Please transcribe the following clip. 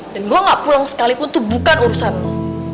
dan gue gak pulang sekalipun itu bukan urusanmu